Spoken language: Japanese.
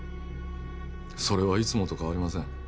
それはいつもと変わりません